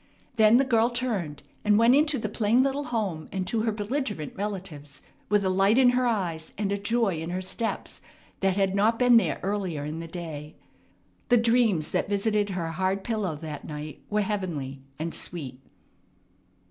Then the girl turned and went into the plain little home and to her belligerent relatives with a light in her eyes and a joy in her steps that had not been there earlier in the day. The dreams that visited her hard pillow that night were heavenly and sweet.